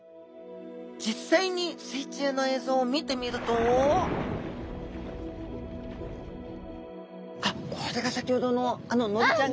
実際に水中の映像を見てみるとあっこれが先ほどのあののりちゃんだ。